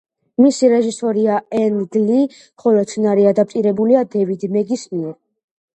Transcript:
მისი რეჟისორია ენგ ლი, ხოლო სცენარი ადაპტირებულია დევიდ მეგის მიერ.